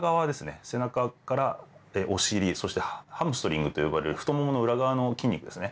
背中からお尻そしてハムストリングと呼ばれる太ももの裏側の筋肉ですね。